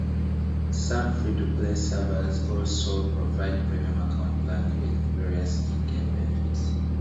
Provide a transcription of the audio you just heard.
Some free to play servers also provide premium account plans with various ingame benefits.